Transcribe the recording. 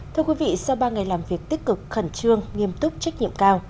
thưa quý vị sau ba ngày làm việc tích cực khẩn trương nghiêm túc trách nhiệm cao